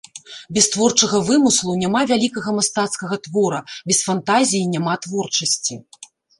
Без творчага вымыслу няма вялікага мастацкага твора, без фантазіі няма творчасці.